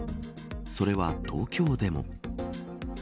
それは東京でも。